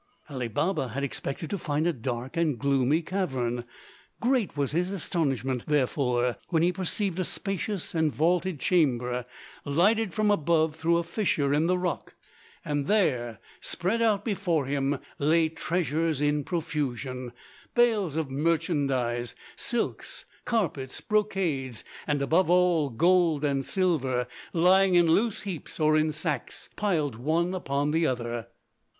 Ali Baba had expected to find a dark and gloomy cavern. Great was his astonishment therefore when he perceived a spacious and vaulted chamber lighted from above through a fissure in the rock; and there spread out before him lay treasures in profusion, bales of merchandise, silks, carpets, brocades, and above all gold and silver lying in loose heaps or in sacks piled one upon another.